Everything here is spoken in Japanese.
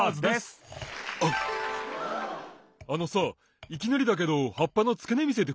あのさいきなりだけどはっぱのつけねみせてくれる？